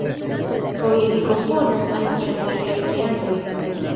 Foje li komponas al filmoj kaj teatroj.